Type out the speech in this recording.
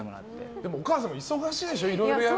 でもお母さんも忙しいでしょ。